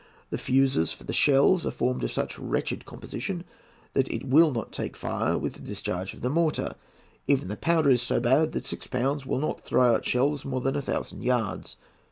The fuses for the shells are formed of such wretched composition that it will not take fire with the discharge of the mortar. Even the powder is so bad that six pounds will not throw out shells more than a thousand yards.